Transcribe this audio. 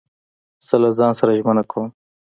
زه له ځان سره ژمنه کوم.